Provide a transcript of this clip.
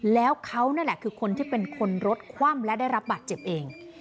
แล้วเขานั่นแหละคือคนที่เป็นคนรถคว่ำและได้รับบาดเจ็บเอง